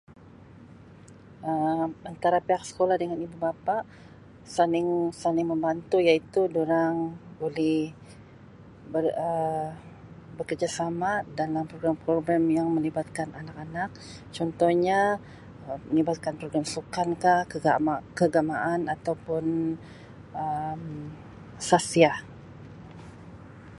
Um Antara pihak sekolah dengan ibu-bapa saling saling membantu iaitu dorang boleh ber- Um berkerjasama dalam program-program yang melibatkan anak-anak contohnya melibatkan program sukan kah, keagaaman atau pun Um sahsia.